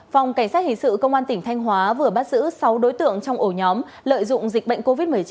phòng cảnh sát hình sự công an tỉnh thanh hóa vừa bắt giữ sáu đối tượng trong ổ nhóm lợi dụng dịch bệnh covid một mươi chín